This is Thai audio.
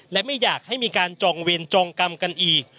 และไม่อยากให้มีการจองเวรจองกรรมกันอีก